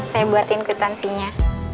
saya buatin kuitansinya